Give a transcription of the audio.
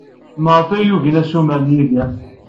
Maɣef ay ugin assumer n Yidir?